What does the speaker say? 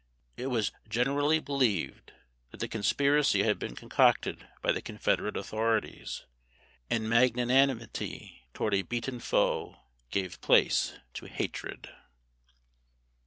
It was generally believed that the conspiracy had been concocted by the Confederate authorities, and magnanimity toward a beaten foe gave place to hatred.